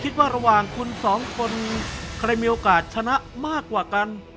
ระหว่างคุณสองคนใครมีโอกาสชนะมากกว่ากัน